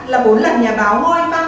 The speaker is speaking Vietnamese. là bốn lần nhà báo hoi vang